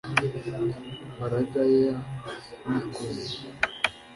mbaraga ya mwikozi